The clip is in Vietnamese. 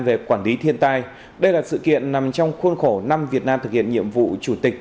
về quản lý thiên tai đây là sự kiện nằm trong khuôn khổ năm việt nam thực hiện nhiệm vụ chủ tịch